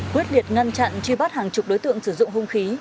quyết liệt ngăn chặn truy bắt hàng chục đối tượng sử dụng hung khí